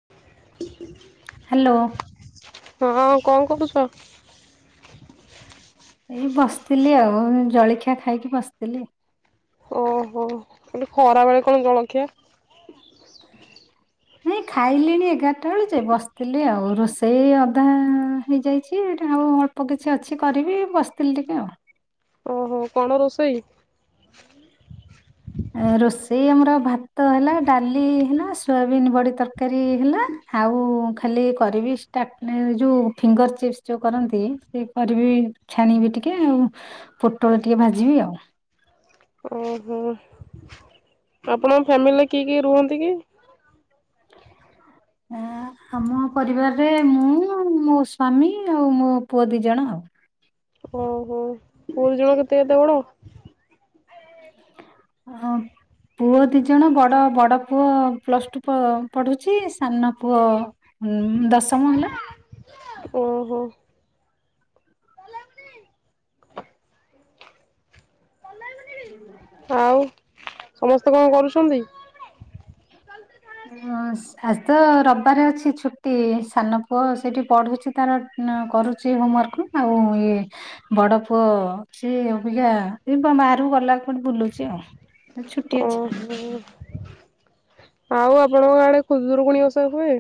[inaudible] Hello. ହଁ କଣ କରୁଚ? ଏଇ ବସିଥିଲି ଆଉ ଜଳଖିଆ ଖାଇକି ବସିଥିଲି। ଓହୋ ମୁଁ କହିଲି ଖରାବେଳେ କଣ ଜଳଖିଆ? ନାଇଁ ଖାଇଲିଣି ଏଗାରଟା ବେଳୁଜେ ବସିଥିଲି ଆଉ ରୋଷେଇ ଅଧା ହେଇଯାଇଚି ଏଇଟା ଆଉ ଅଳ୍ପ କିଛି ଅଛି କରିବି ବସିଥିଲି ଟିକେ ଆଉ। ଓହୋ କଣ ରୋଷେଇ? ରୋଷେଇ ଆମର ଭାତ ହେଲା ଡାଲି ହେଲା ସୋୟାବିନ୍ ବଢ଼ି ତରକାରୀ ହେଲା। ଆଉ ଖାଲି କରିବି ଷ୍ଟାର୍ଟ ଯୋଉ ଫିଙ୍ଗର ଚିପ୍ସ୍ ଯୋଉ କରନ୍ତି ସେ କରିବି। ଛାଣିବି ଟିକେ ଆଉ ପୋଟଳ ଟିକେ ଭାଜିବି ଆଉ। ଉଁ ହୁଁ ଆପଣଙ୍କ ଫ୍ୟାମିଲିରେ କିଏ କିଏ ରୁହନ୍ତି କି? ଆ-ଆମ ପରିବାରରେ ମୁଁ ମୋ ସ୍ୱାମୀ ଆଉ ମୋ ପୁଅ ଦିଇ ଜଣ ଆଉ। ଉଁ ହୁଁ ପୁଅଠୁ ଝିଅ କେତେ କେତେ ବଡ? ହଁ ପୁଅ ଦି ଜଣ ବଡ ବଡ ପୁଅ ପ୍ଲସଟୁ ପଢୁଛି ସାନ ପୁଅ ଉଁ ଦଶମ ହେଲା। ଓହୋ। ଆଉ ସମସ୍ତେ କଣ କରୁଛନ୍ତି? [unintelligible] ଆଜି ତ ରବିବାର ଅଛି ଛୁଟି ସାନ ପୁଅ ସେଇଠି ପଢୁଛି ତାର କରୁଚି ଉଁ ହୋମମାର୍କରୁ। ଆଉଁ ଇଏ ବଡ ପୁଅ ସିଏ ଅବିକା ଏଇପା [unintelligible] ବାହାରକୁ ଗଲା କୁଆଡେ ବୁଲୁଛି ଆଉ। ଛୁଟି ଅଛି। ଓହୋ ଆଉ ଆପଣଙ୍କ ଆଡେ ଖୁଦରୁକୁୁଣି ଓସା ହୁଏ?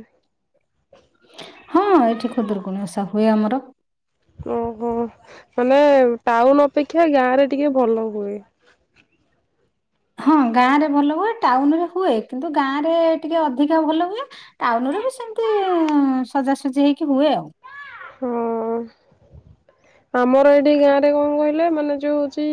ହଁ ଏଠି ଖୁଦରୁକୁୁଣୀ ଓସା ହୁଏ ଆମର। ଓହୋ ମାନେ ଟାଉନ ଅପେକ୍ଷା ଗାଁ ରେ ଟିକେ ଭଲ ହୁଏ। ହଁ ଗାଁ ରେ ଭଲ ହୁଏ ଟାଉନରେ ହୁଏ କିନ୍ତୁ ଗାଁ ରେ ଟିକେ ଅଧିକା ଭଲ ହୁଏ। ଟାଉନ ରୁ ବି ସେମିତି ଉଁ ସଜାସଜି ହେଇକି ହୁଏ ଆଉ ହଁ। ଆମର ଏଇଠି ଗାଁ ରେ କଣ କହିଲେ ମାନେ ଯୋଉ ହଉଛି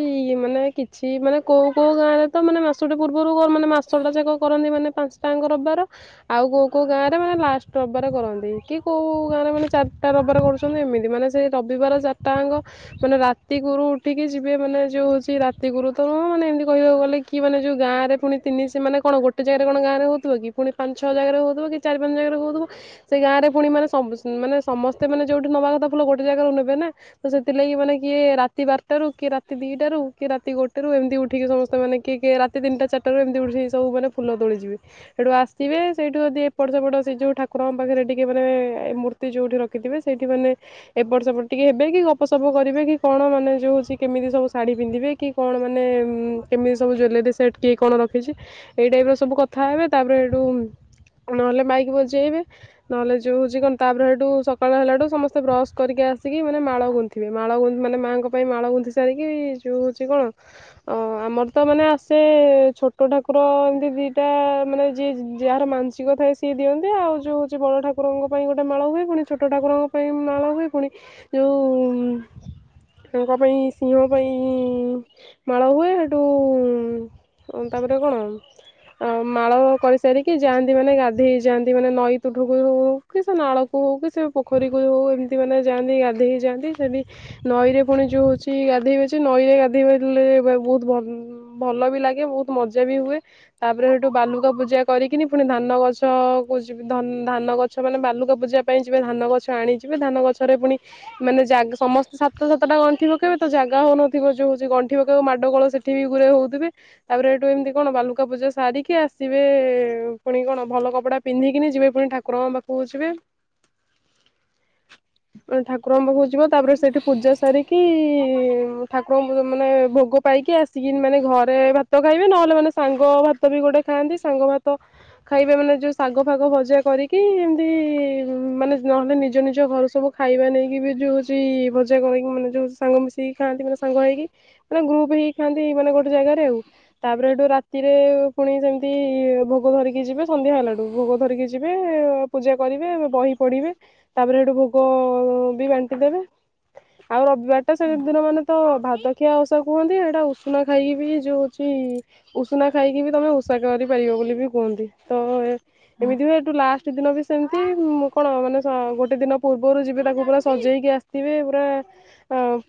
ମାନେ କିଛି ମାନେ କୋଉ କୋଉ ଗାଁରେ ତ ମାନେ ମାସଟେ ପୂର୍ବରୁ ମାନେ ମାସଟା ଯାକ କରନ୍ତି ମାନେ ପାଞ୍ଚ ଟାଙ୍କ ରବିବାର ଆଉ କୋଉ କୋଉ ଗାଁ ରେ ମାନେ ଲାଷ୍ଟ ରବିବାରେ କରନ୍ତି କି କୋଉ ଗାଁରେ ମାନେ ଚାରିଟା ରବିବାରେ କରୁ ମାନେ ଏମିତି ମାନେ ସେଇ ରବିବାର ଚାରିଟାଙ୍କ ମାନେ ରାତି କୁରୁ ଉଠିକି ଯିବେ ମାନେ ଯୋଉ ହଉଛି ରାତି କୁରୁ ତ ନୁହେମାନେ ଏମିତି କହିବାକୁ ଗଲେ କି? କି ମାନ ଯୋଉ ଗାଁରେ ପୁଣି ତିନି ସେ ମାନେ କଣ ଗୋଟେ ଜାଗାରେ କଣ ଗାଁରେ ହଉଥିବକି ପୁଣିପାଞ୍ଚ ଛଅ ଜାଗାରେ ହଉଥିବ କି ଚାରି ପାଞ୍ଚ ଜାଗାରେ ହୋଉଥିବ। ସେ ଗାଁରେ ପୁଣି ମାନେ ମାନେ ସମସ୍ତେ ମାନେ ଯୋଉଠି ନବା କଥା ଫୁଲ ଗୋଟେ ଜାଗାରୁ ନେବେ ନା। ତ ସେଥିଲାଗି ମାନେ କିଏ ରାତି ବାରଟାରୁ କିଏ ରାତି ଦିଟାରୁ କିଏ ରାତି ଗୋଟେ ରୁ ଏମିତି ଉଠିକି ସମସ୍ତେ ମାନେ କିଏ କିଏ ରା [unintelligible] ତିନଟା ଚାରିଟାରୁ ଏମିତି ଉଠିକି ସବୁ ମାନ ଫୁଲ ତୋଳିଯିବେ। ସେଠୁ ଆସିବେ ସେଇଠୁ ଯଦି ଏପଟ ସେପଟ ସେ ଯୋଉ ଠାକୁରଙ୍କ ପାଖରେ ଟିକେ ମାନେ ଏ ମୂ ଯୋଉଠି ରଖିଥିବେ ସେଇଠି ମାନେ ଏପଟ ସେପଟ ଟିକେ ହେବେ ଗ ଗପ ସପ କରିବେ କି କଣ ମାନେ ଯଉଛି କେମିତି ସବୁ ଶାଢ଼ୀ ପିନ୍ଧିବେ କି କଣ ମାନେ କେମିତି ସବୁ ଜୁଏଲେରୀ ସି ସେଇଠି କିଏ କଣ ରଖିଛି ଏଇ ଟାଇପରେ ସବୁ କଥା ହେବେ ତାପରେ ଏଇଠୁ ନହେଲେ ମାଇକି ବଜେଇବେ। ନହେଲେ ଯୋଉ ହଉଛି କଣ ତାପରେ ସେଠୁ ସକାଳ ହେଲାଠୁ ସମସ୍ତେ ବ୍ରସ କରି ଆସିକି ମାନେ ମାଳ ଗୁ ଥିବେ ମାଳ ଗୁ ମାନେ ମାଆଙ୍କ ପାଇଁ ମାଳ ଗୁଥି ସାରିକି ଯଉ ହଉଛି କଣ ଅ ଆମର ତ ମାନେ ଆସେ ଛୋଟ ଠାକୁର ଏମତି ଦିଟା ମାନେ ଯିଏ ଯାହାର ମାନ ଥିବ ସିଏ ଦିଅନ୍ତି ଆଉ ଯୋଉଚି ବଡଠାକୁର ପାଇଁ ଗୋଟେ ମାଳ ହୁଏ। ପୁଣି ଛୋଟ ଠାକୁରଙ୍କ ପାଇଁ ମାଳା ହୁଏ ପୁଣି ଯୋଉ ତାଙ୍କ ପାଇଁ ସିଂହ ପାଇଁ ଉଁ ମାଳ ହୁଏ ହେଠୁ ଓ ତାପରେ କଣ? ଆଉ ମାଳ କରିସାରିକି ଯାଆନ୍ତି ମାନେ ଗାଧେଇ ଯାଆନ୍ତି ମାନେ ନଈ ତୁଠକୁ କି ସେ ନାଳ କୁ ହଉ କି ସେ ପୋଖରୀକୁ ହଉ ଏମିତି ମାନେ ଯାଆନ୍ତି ଗାଧେଇ ଯାଆନ୍ତି। ସେଠି ନଈରେ ପୁଣି ଯେଉଁ ହେଉଛି ଗାଧୋଇବେଜେ ନଈରେ ଗାଧୋଇବାଲେ ବହୁତ ଭ ଭଲ ବି ଲାଗେ ବହୁତ ମଜା ବି ହୁଏ। ତାପରେ ହେଠୁ ବାଲୁକା ପୂଜା କରିକିନି ପୁଣି ଧାନ ଗଛ କୁ ଜିବିଧ ଧାନ ଗଛ ମାନେ ବାଲୁକା ପୂଜା ପାଇଁ ଯିବେ ଧାନ ଗଛ ଆଣି ଯିବେ ଧାନ ଗଛରେ ପୁଣି ମାନେ ଜାଗ ସମସ୍ତେ ସାତଟା ସାତଟା ଗଣ୍ଠି ପକାଇବେ ତ ଜାଗା ହେଉନଥିବ ଯେଉଁ ଗଣ୍ଠି ପକାଇବା ମାଡ଼ୋ ସେଠି ବି ଗୁରେ ହେଉଥିବେ। ତାପରେ ଏଇଠୁ ଏମିତି କଣ ବାଲୁକା ପୂଜା ସାରିକି ଆସିବେ ପୁଣି କଣ ଭଲ କପଡା ପିନ୍ଧିକିିନି ଯିବେ ପୁଣି ଠାକୁରଙ୍କ ପାଖକୁ ଯିବେ। ପୁଣି ଠାକୁରଙ୍କ ପାଖକୁ ଯିବ ତାପରେ ସେଇଠି ପୂଜା ସାରିକି ଉଁ ଠାକୁରଙ୍କୁ ମାନେ ଭୋଗ ପାଇକି ଆସିକି ମାନେ ଘରେ ଭାତ ଖାଇବେ ନହେଲେ ମାନେ ସାଙ୍ଗ ଭା ଭାତ ବି ଗୋଟେ ଖାଆନ୍ତି ସାଙ୍ଗ ଭାତ ଖାଇବା ମାନେ ଯୋଉ ଶାଗ ଫାଗ ଭଜା କରିକି ଏମିତି ମାନେ ନହେଲେ ନିଜ ନିଜ ଘରୁ ସବୁ ଖାଇବା ନେଇକି ବି ଯେଉଉଛି ଭଜା କରକି ମାନେ ଯେଉ ସାଙ୍ଗ ମିଶିକି ଖାଆନ୍ତି ମାନେ ସାଙ୍ଗ ହେଇକି। ମାନ ଗ୍ରୁପୁ ହେଇ ଖାଆନ୍ତି ମାନେ ଗୋଟେ ଜାଗାରେ ଆଉ। ତାପରେ ଏଠୁ ରାତିରେ ପୁଣି ସେମିତି ଭୋଗ ଧରିକି ଯିବେ ସନ୍ଧ୍ୟା ହେଲାଟୁ ଭୋଗ ଧରିକି ଯିବେ ପୂଜା କରିବେ ବହି ପଢିବେ ତାପରେ ହେଟୁ ଭୋଗ ବି ବା ଏବେ ଏବେ ଆଉ ରବିବାର ଟା ସେ ଦିନ ମାନେ ତ ଭାତଖିଆ ଓଷା କୁହନ୍ତି ଏଇଟା ଉଷୁନା ଖାଇକି ବି ଯୋଉ ହୋଉଚି ଉଷୁନା ଖାଇକି ବି ତମେ ଉଷା କରିପାରିବ ବୋଲି ବି କୁହନ୍ତି ତ ଏ ଏମିତି ହୁ ଏଠୁ ଲାଷ୍ଟେ ଦିନ ବି ସେମିତି କଣ ମାନେ ଗୋଟେ ଦିନ ପୂର୍ବରୁ ଯିଵେ ତାକୁ ପୁରା ସଜେଇକି ଆସିଥିବେ ପୁରା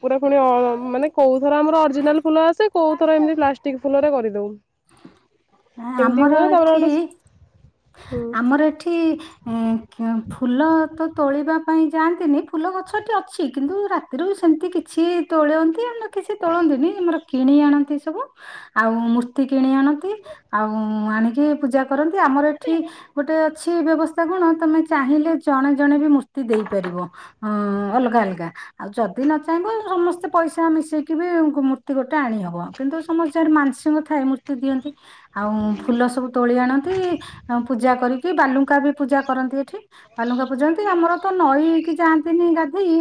ପୁରା ପୁଣି ଅ ମାନେ କଉଥର ଆମର ଅରିଜିନାଲ ଫୁଲ ଆସେ କୋଉଥର ଏମତି ପ୍ଲା ଷ୍ଟିକ୍ ଫୁଲରେ କରିଦୋଉ ଏମିତି ଆମର ହୁଏ ତାପରେ ହେଟୁ ଏଠି ଆମର ଏଠି ଆଜ୍ଞା ଫୁଲ ତ ତୋଳିବା ପାଇଁ ଯାଆନ୍ତିନି ଫୁଲ ଗଛଟି ଅଛି କିନ୍ତୁ ରା ତିରୁ ସେମିତି କିଛି ତୋଳନ୍ତି ଆଣ୍ଡ କିଛି ତୋଳନ୍ତିନି ଆମର କିଣି ଆଣନ୍ତି ସବୁ ଆଉ ମୂର୍ତ୍ତି କିଣି ଆଣନ୍ତି ଆଉ ଆଣିକି ପୂଜା କରନ୍ତି ଆମର ଏ ଠି ଗୋଟେ ଅଛି ବ୍ୟବସ୍ଥା କଣ ତମେ ଚାହିଁଲେ ଜଣେ ଜଣେ ବି ମୂର୍ତ୍ତି ଦେଇପାରିବ। ହୁଁ ଅଲଗା ଅଲଗା। ଆଉ ଯଦି ନ ଚାହିଁବ ସମସ୍ତେ ପଇସା ମିଶେଇକି ବି ମୂର୍ତ୍ତି ଗୋଟେ ଆଣି ହବ। କିନ୍ତୁ ସମସ୍ତସିଆରେ ମାନସିଂଙ୍କ ଥାଏ ମୂ ର୍ତ୍ତି ଦିଅନ୍ତି ଆଉ ଫୁଲ ସବୁ ତୋଳି ଆଣନ୍ତି ପୂଜା କରିକି ବାଲୁଙ୍କା ବି ପୂଜା କରନ୍ତି ଏଠି ବାଲୁଙ୍କା ପୂଜନ୍ତି ଆମର ତ ନଈକି ଯାଆନ୍ତିନି ଗାଧେଇ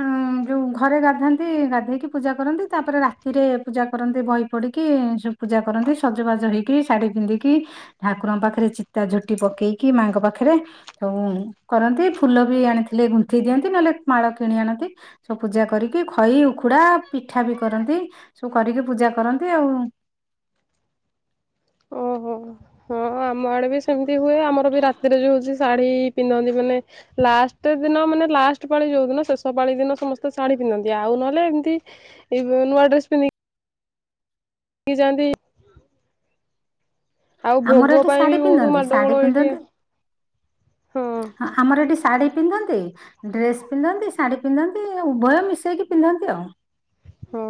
ଉଁ ଯୋଉ ଘରେ ଗାଧାନ୍ତି ଗାଧେଇକି ପୂଜା କରନ୍ତି ତାପରେ ରାତିରେ ପୂଜା କରନ୍ତି ବହି ପଢିକି ସବୁ ପୂଜା କରନ୍ତି ସଜବାଜ ହେଇକି ଶାଢୀ ପିନ୍ଧିକି ଠାକୁରଙ୍କ ପାଖରେ ଚିତା ଝୋଟି ପକେଇକି ମାଆଙ୍କ ପାଖରେ ହଉ କରନ୍ତି ଫୁଲ ବି ଆଣିଥିଲେ ଗୁନ୍ଥି ଦିଅନ୍ତି ନହେଲେ ମାଳ କିଣି ଆଣନ୍ତି। ସବୁ ପୂଜା କରିକି ଖଇ ଉଖୁଡା ପିଠା ବି କରନ୍ତି ସବୁ କରିକି ପୂଜା କରନ୍ତି ଆଉ। ଓହୋ। ହଁ ଆମ ଆଡେ ବି ସେମିତି ହୁଏ ଆମର ବି ରାତିରେ ଯୋଉ ହୋଉଚି ଶାଢୀ ପିନ୍ଧନ୍ତି ମାନେ ଲାଷ୍ଟେ ଦିନ ମାନେ ଲାଷ୍ଟେ ପାଳି ଯୋଉ ଦିନ ଶେଷ ପାଳି ଦିନ ସମସ୍ତେ ଶାଢୀ ପିନ୍ଧନ୍ତି ଆଉ ନହେଲେ ଏମତି ଇବ୍ ନୂଆ ଡ୍ରେସ ପିନ୍ଧି କି ଯାଆନ୍ତି। ଆଉ ଆମର ଭୋଗ ଏଠି ପାଇଁ ଶାଢୀ ବି ବହୁତ ପିନ୍ଧନ୍ତି ଶାଢୀ ମାଡଗୋଳ ଏଠି ପିନ୍ଧନ୍ତି ହଁ। ଆମର ଏଠି ଶାଢ଼ୀ ପିନ୍ଧନ୍ତି ଡ୍ରେସେ ପିନ୍ଧନ୍ତି ଶାଢୀ ପିନ୍ଧନ୍ତି ଉଭୟ ମିଶେଇକି ପିନ୍ଧନ୍ତି ଆଉ। ହୁଁ।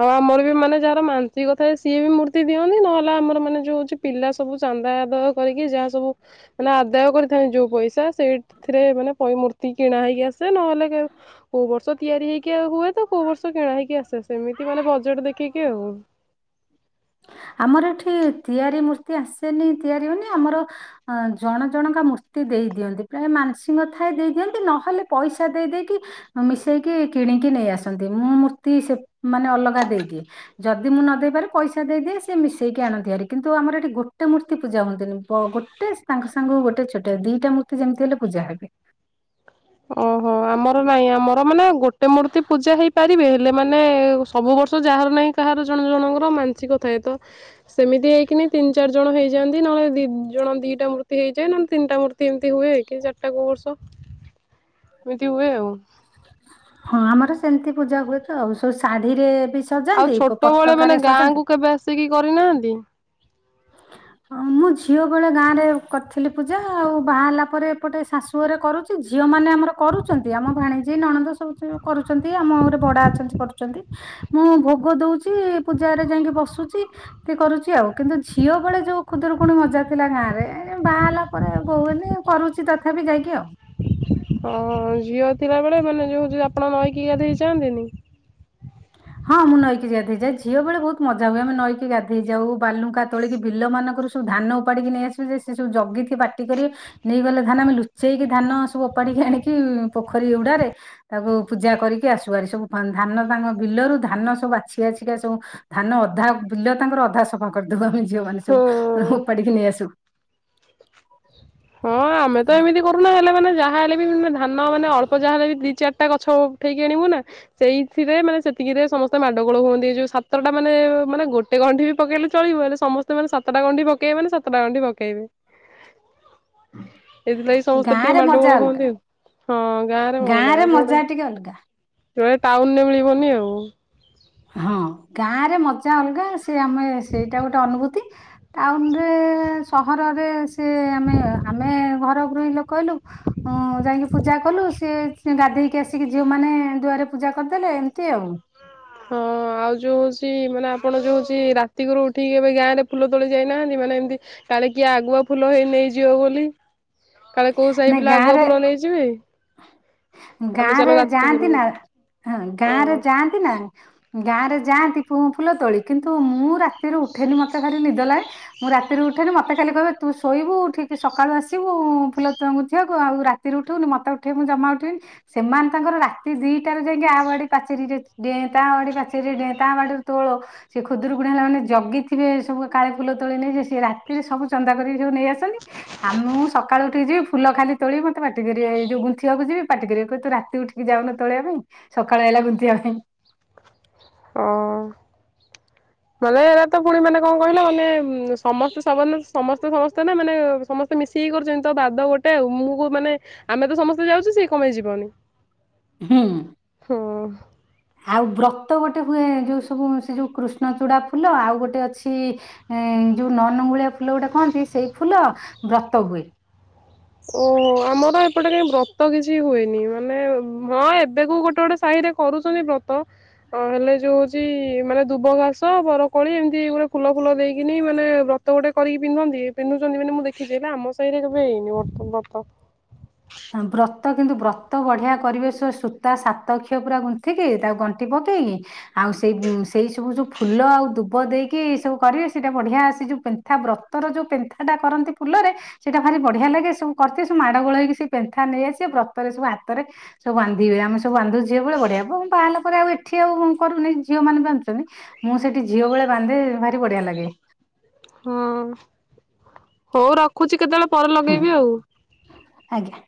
ହଁ ମୋରବି ମାନେ ଯାହାର ମାନସିଂକ ଥାଏ ସିଏ ବି ମୂର୍ତ୍ତି ଦିଅନ୍ତି ନହେଲେ ଆମର ମାନେ ଯୋଉ ଉଛି ପିଲା ସବୁ ଚାନ୍ଦା ଆଦାୟ କରିକି ଯାହା ସବୁ ମାନେ ଆଦାୟ କରିଥାନ୍ତି ଯୋଉ ପଇସା ସେଇଥିରେ ମାନେ ପଇ ମୂର୍ତ୍ତି କିଣା ହେଇକି ଆସେ ନହେଲେ କୋଉ ବର୍ଷ ତିଆରି ହେଇକି ଆ ହୁଏ ତ କୋଉ ବର୍ଷ କିଣା ହେଇକି ଆସେ ସେମିତି ମାନେ ବଜେଟ ଦେଖିକି ଆଉ। ଆମର ଏଠି ତିଆରି ମୂର୍ତ୍ତି ଆସେନି ତିଆରି ମାନେ ଆମର ଅ ଜଣ ଜଣଙ୍କା ମୂର୍ତ୍ତି ଦେଇଦିଅନ୍ତି ପ୍ରାୟ ମାନସିଂଙ୍କ ଥାଏ ଦେଇଦିଅନ୍ତି ନହେଲେ ପଇସା ଦେଇ ଦେଇକି ମିଶେଇକି କିଣିକି ନେଇ ଆସନ୍ତି ମୁଁ ମୂର୍ତ୍ତି ସେ ମାନେ ଅଲଗା ଦେଇଦିଏ। ଯଦି ମୁଁ ନଦେଇ ପାରେ ପଇସା ଦେଇ ଦିଏ ସେ ମିଶେଇକି ଆଣନ୍ତିଭାରି କିନ୍ତୁ ଆମର ଏଠି ଗୋଟେ ମୂର୍ତ୍ତି ପୂଜା ହୁଅନ୍ତିନି ଗୋଟେ ତାଙ୍କ ସାଙ୍ଗ ଗୋଟେ ଛୋଟିଆ ଦିଟା ମୂର୍ତ୍ତି ଯେମତି ହେଲେ ପୂଜା ହେବେ। ଓହୋ ଆମର ନାଇଁ ଆମର ମାନେ ଗୋଟେ ମୂର୍ତ୍ତି ପୂଜା ହେଇପାରିବେ ହେଲେ ମାନେ ସବୁ ବର୍ଷ ତ ଯାହାର ନାହିଁ କାହାର ଜଣେ ଜଣଙ୍କର ମାନସିକ ଥାଏ ତ ସେମତି ହେଇକିନି ତିନ ଚାରି ଜଣ ହେଇଯାନ୍ତି ନହେଲେ ଦି ଜଣ ଦିଟା ମୂର୍ତ୍ତି ହେଇଯାଏ ନହେଲେ ତିନିଟା ମୂର୍ତ୍ତି ଏମିତି ଏମିତି ହୁଏ କି ଚାରିଟା କଉ ବର୍ଷ। ଏମିତି ହୁଏ ଆଉ। ହଁ ଆମର ସେମିତି ପୂଜା ହୁଏ ତ ଆଉ ସବୁ ଶାଢୀରେ ବି ଆଉ ସଜାନ୍ତି ଛୋଟବେଳେ ପତାକାରେ ମାନେ ଗାଁ ସଜାନ୍ତି। କୁ କେବେ ଆସିକି କରିନାହାନ୍ତି। ହଁ ମୁଁ ଝିଅ ବେଳେ ଗାଁ ରେ କରିଥିଲି ପୂଜା ଆଉ ବାହାହେଲା ପରେ ଏପଟେ ଶାଶୁ ଘରେ କରୁଛି ଝିଅମାନେ ଆମର କରୁଛନ୍ତି ଆମ ଭାଣିଜୀ ନଣନ୍ଦ ସବୁ କରୁଛନ୍ତି ଆମ ଘରେ ଭଡା ଅଛନ୍ତି କରୁଛନ୍ତି। ମୁଁ ଭୋଗ ଦଉଛି ପୂଜରେ ଯାଇକି ବସୁଛି ସେ କରୁଛି ଆଉ କିନ୍ତୁ ଝିଅ ବେଳେ ଯୋଉ ଖୁଦରୁକୁଣି ମଜା ଥିଲା ଗାଁରେ ବାହା ହେଲା ପରେ ବୋହୂ ହେନି କରୁଛି ତଥାପି ଯାଇକି ଆଉ। ହଁ ଝିଅ ଥିଲା ବେଳେ ମାନେ ଯୋଉ ଆପଣ ନଈକି ଗାଧେଇ ଯାଆନ୍ତିନି। ହଁ ହଁ ମୁଁ ନଈକି ଗାଧେଇ ଯାଏ ଝିଅ ବେ ବହୁତ ମଜା ହୁଏ ଆମେଈକି ଗାଧୋଇ ଯାଉ ବାଲୁକା ତୋଳିକି ବିଲ ମାନଙ୍କ ସବୁ ଧାନ ଉପାଡିକି ନେଇଆସିବୁ ଯେ ସେ ସବୁ ଜଗିିକି ପାଟି କରି ନେଇଗଲେ ଧାନ ଆମେ ଲୁଚେଇକି ଧାନ ସବୁ ଓପାଡିକି ଆଣିକି ପୋଖରୀ ହୁଡ଼ାରେ ତାକୁ ପୂଜା କରିକି ଆସୁ ଭାରି ସବୁ ଧାନ ତାଙ୍କ ବିଲରୁ ଧାନ ସବୁ ଆଛିଆଛିିକା ସବୁ ଧାନ ଅଧା ବିଲ ତାଙ୍କର ଅଧା ସଫା କରିଦବୁ ଆମେ ଝିଅମାନେ ସବୁ ହଁ। ଓପାଡ଼ିକି ନେଇ ଆସୁ। ହଁ ଆମେ ତ ଏମିତି କରୁନା ହେଲେ ମାନେ ଯାହାହଲେ ବି ମାନେ ଧାନ ମାନେ ଅଳ୍ପ ଯାହା ହେଲେ ବି ଦି ଚାରିଟା ଗଛ ଉଠେଇକି ଆଣିବୁ ନା ସେଇଥିରେ ମାନେ ସେତିକିରେ ସମସ୍ତେ ମାଡଗୋଳ ହୁଅନ୍ତି ଯୋଉ ସାତଟା ମାନେ ମାନେ ଗୋଟେ ଟେ ଗଣ୍ଢି ପକେଇଲେ ଚଳିବ ହେଲେ ସମେ ମେ ସାତଟା ଗଣ୍ଠି ପକାଇବେ ନା ସାତଟା ଗଣ୍ଠି ପକାଇବେ। ଏଥିଲାଗି ସମସ୍ତେ ଗାଁ ଟିକେ ରେ ମାଡ ମଜା ଗୋଳ ଅଲଗା ହୁଅନ୍ତି ଆଉ। ହଁ ଗାଁରେ କଣ ରେ ଗାଁ ଯୋଡେ ମଜା ଟିକେ ଅଲଗା। ଯୋଡେ ଟାଉନରେ ମିଳିବନି ଆଉ। ହଁ ଗାଁ ରେ ମଜା ଅଲଗା ସେ ଆମେ ସେଇଟା ଗୋଟେ ଅନୁଭୂତି। ଟାଉନ ରେ ସହରରେ ସେ ଆମେ ଆମେ ଘର ଗୃହି ଲୋକ କହିଲୁ? ଯାଇକି ପୂଜା କଲୁ ସିଏ ଗାଧେଇକି ଆସିକି ଝିଅ ମାନେ ଦୁଆରେ ପୂଜା କରିଦେଲେ ଏମିତି ଆଉ। ହଁ ଆଉ ଯୋଉ ହଉଛି ମାନେ ଆପଣ ଯୋଉ ହଉଛି ରାତି ଘରୁ ଉଠିକି ଏବେ ଗାଁ ରେ ଫୁଲ ତୋଳି ଯାଇନାହାନ୍ତି ମାନେ ଏମିତି କାଲି କିଏ ଆଗୁଆ ଫୁଲ ହେଇ ନେଇଯିବ ବୋଲି। କାଳେ କୋଉ ସାହି ନାଇଁ ପିଲା ଆଗୁଆ ଗାଁରେ ଫୁଲ ନେଇଯିବ। ଗାଁରେ କରୁ ଯାହାନ୍ତି ନା ହଁ ଗାଁ ର ଯାନ୍ତି। ଗାଁ ରେ ଯାଆନ୍ତିୁ ଫୁଲ ତୋଳି କିନ୍ତୁ ମୁଁ ରା ତି ଉଠେନି ମତେ ଖାଲି ନିଦ ଲ ମୁଁ ରାତିରୁ ଉଠେନି ମୋତେ ଖାଲି କହିବେ ତୁ ଶୋଇବୁ ଠିକ ସକାଳୁ ଆସିବୁ ଫୁଲ ତ ମୁଁ ବୁଝିବାକୁ ଆଉ ରାତିରେ ଉଠିବନି ମତେ ଉଠିବ ମୁଁ ଜମା ଉଠିବନି। ସେମାନେ ତାଙ୍କର ରାତି ଦିଟାରୁ ଯାଇକି ଆ ବାଡି ପାଚେରୀରେ ଡ ତା ବାଡି ପାଚେରୀରେ ଡ ତା ବାଡିରୁ ତୋଳ ସେ ଖୁଦୁରକୁୁଡ ହେଲା ମାନେ ଜଗିଥିବେ ସବୁ କାଳେ ଫୁଲ ତୋଳି ନେଇ ସିଏ ରାତିରେ ସବୁ ଚନ୍ଦା କରିକି ସବୁ ନେଇ ଆସନି। ଆମ ମୁଁ ସକାଳୁ ଉଠିକି ଯିବି ଫୁଲ ଖାଲି ତୋଳି ମତେଟି କରିବ ଯୋଉ ଗୁନ୍ଥିବାକୁ ଯି ପାଟି କର କରିବାକୁହ ତୁ ରାତିକୁ ଉଠିକି ଯାଉନ ତଳ ପାଇଁ। ସକାଳେ [unintelligible] ଓ ମାନେ ଏ ତ ପୁଣି ମାନେ କଣ କହିଲା ମାନେ ସମସ୍ତେ ସବ ସମସ୍ତେ ସମସ୍ତେନା ମାନେ ସମସ୍ତେ ମିଶିକି କରୁଚନ୍ତି ତପାଦ ଗୋଟେ ଆଉ ମୁଁ କଁ ମାନେ ଆମେତ ସମସ୍ତେ ଯାଉଚୁ ସିଏ କଁ ପାଇଁ ଯିବନି ହୁଁ। ହୁଁ। ଆଉ ବ୍ରତ ଗୋଟେ ହୁଏ ଯୋଉ ସବୁ ସେଯୋଉ କୃଷ୍ଣ ଚୂଡ଼ା ଫୁଲ ଆଉ ଗୋଟେ ଅଛି ଏଁ ଯୋଉ ନନଙ୍ଗୁଳିଆ ଫୁଲ ଗୋଟେ କହନ୍ତି ସେଇ ଫୁଲ ବ୍ରତ ହୁଏ। ଓହୋ ଆମର ଏପଟେ କାଇହିଁ ବ୍ରତ କିଛି ହୁଏନି ମାନେ ହଁ ଏବେ କୋଉ ଗୋଟେ ଗୋଟେ ସାହିରେ କରୁଚନ୍ତି ବ୍ରତ ଅ ହେଲେ ଯୋଉ ହଉଚି ମାନେ ଦୁବ ଘାସ ବରକୋଳି ଏମିତି ଗୋଟେ ଫୁଲ ଫୁଲ ଦେଇକିନି ମାନେ ବ୍ର ତତ ଗୋଟେ କରିକି ପିନ୍ଧନ୍ତି ପିନ୍ଧୁଚନ୍ତି ମାନେ ମୁଁ ଦେଖିଚି ହେଲେ ଆମ ସାହିରେ କେବେ ହେଇନି ବର୍ତ୍ତ ବତ ବ୍ରତ କିନ୍ତୁ ବ୍ରତ ବଢ଼ିଆ କରିବେ ସ ସୂତା ସାତ କିଅ ପୁରା ଗୁନ୍ଥିକି ତାକୁ ଗଣ୍ଠି ପକେଇକି ଆଉ ସେଇ ସେଇ ସବୁ ଯୋଉ ଫୁଲ ଆଉ ଦୁବ ଦେଇକି ଏଇ ସବୁ କରିବେ ସେଇଟା ବଢିଆ ଆ ସେ ଯୋଉ ପେ ବ୍ରତର ଯୋଉ ପେନ୍ଥାଟା କରନ୍ତି ଫୁଲରେ ସେଇଟା ଭାରି ବଢ଼ିଆ ଲାଗେ ସବୁ କରିଥିବେ ସବୁ ମାଡ଼ ଗୋଳ ହେଇକି ସେ ପେନ୍ଥା ନେଇ ଆସିବେ ବ୍ରତରେ ସବୁ ହାତରେ ସବୁବାନ୍ଧିବେ ଆମେ ସବୁ ବାନ୍ଧୁ ଝିଅବେଳେ ବଢ଼ିଆ ମୁଁ ବାହାହେଲା ପରେ ଆଉ ଏଠି ଆଉ କରୁନିଁ ଝିଅ ମେନେ ବାନ୍ଧୁଚନ୍ତି ମୁଁ ସେଠି ଝିଅ ବେଳେ ବାନ୍ଧେ ଭାରି ବଢ଼ିଆ ଲାଗେ। ହଁ ହଉ ରଖୁଚି କେତେବେଳେ ପରେ ହୁଁ ଲଗେଇବି ଆଉ? ଆଜ୍ଞା।